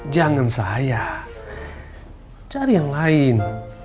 jangan saya cari yang lain